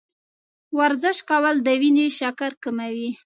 ورزش کول د وینې شکر کموي.